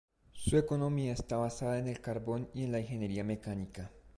Su economía está basada en el carbón y en la ingeniería mecánica.